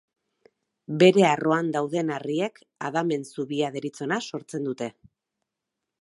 Bere arroan dauden harriek Adamen Zubia deritzona sortzen dute.